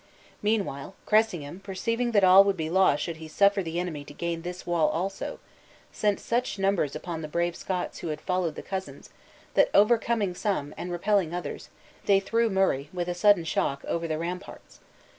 Meanwhile, Cressingham perceiving that all would be lost should he suffer the enemy to gain this wall also, sent such numbers upon the brave Scots who had followed the cousins, that, overcoming some, and repelling others, they threw Murray, with a sudden shock, over the ramparts.